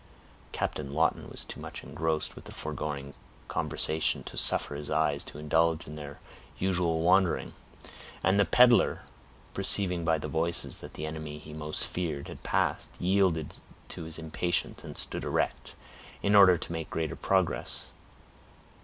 Captain Lawton was too much engrossed with the foregoing conversation to suffer his eyes to indulge in their usual wandering; and the peddler, perceiving by the voices that the enemy he most feared had passed, yielded to his impatience, and stood erect, in order to make greater progress.